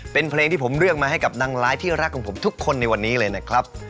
เป็นเพลงที่ผมเลือกมาให้กับนางร้ายที่รักของผมทุกคนในวันนี้เลยนะครับ